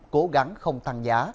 cố gắng không tăng giá